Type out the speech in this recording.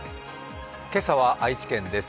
今朝は愛知県です。